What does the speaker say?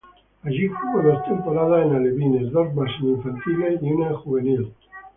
Allí jugó dos temporadas en alevines, dos más en infantiles, y una en juvenil.